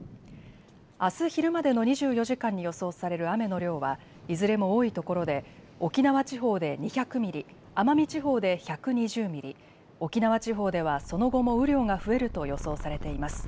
あす昼までの２４時間に予想される雨の量はいずれも多いところで沖縄地方で２００ミリ、奄美地方で１２０ミリ、沖縄地方ではその後も雨量が増えると予想されています。